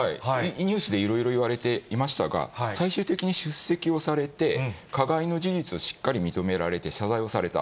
ニュースでいろいろ言われていましたが、最終的に出席をされて、加害の事実をしっかり認められて謝罪をされた。